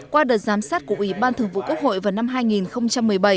qua đợt giám sát của ủy ban thường vụ quốc hội vào năm hai nghìn một mươi bảy